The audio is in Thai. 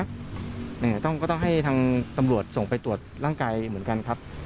ก็ต้องให้ทางตำรวจส่งไปตรวจร่างกายเหมือนกันครับ